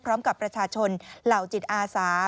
พร้อมกับประชาชนเหล่าจิตอาสา